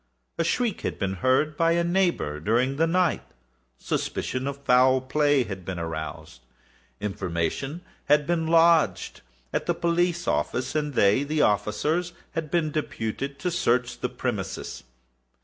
A shriek had been heard by a neighbour during the night; suspicion of foul play had been aroused; information had been lodged at the police office, and they (the officers) had been deputed to search the premises.